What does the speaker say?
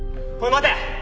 待て！